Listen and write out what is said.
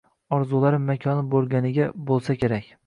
Orzularim makoni boʻlganiga boʻlsa kerak.